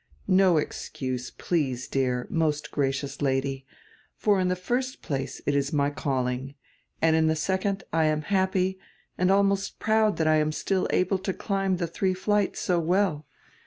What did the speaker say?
"No excuse, please, dear, most gracious Lady; for in die first place it is my calling, and in die second I am happy and almost proud diat I am still able to climb die diree flights so well.